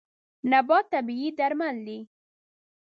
نبات طبیعي درمل دی.